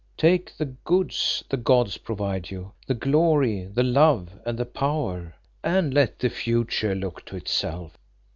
Take the goods the gods provide you the glory, the love and the power and let the future look to itself."